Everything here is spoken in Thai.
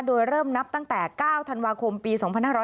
โดยเริ่มนับตั้งแต่๙ธันวาคมปี๒๕๖๐